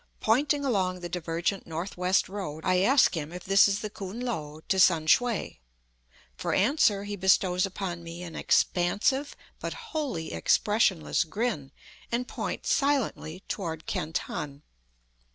Pointing along the divergent northwest road, I ask him if this is the koon lo to Sam shue; for answer he bestows upon me an expansive but wholly expressionless grin, and points silently toward Canton.